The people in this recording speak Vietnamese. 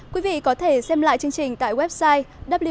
quý vị có thể xem lại chương trình tại website